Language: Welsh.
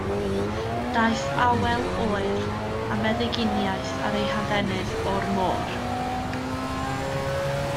Daeth awel oer, a meddyginiaeth ar ei hadenydd, o'r môr.